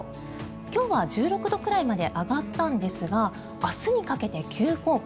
今日は１６度くらいまで上がったんですが明日にかけて急降下。